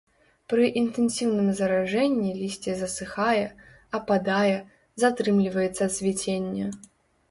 Пры інтэнсіўным заражэнні лісце засыхае, ападае, затрымліваецца цвіценне.